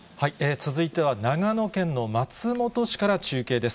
続いては長野県の松本市から中継です。